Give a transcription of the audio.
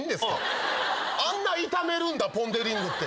あんな炒めるんだポン・デ・リングって。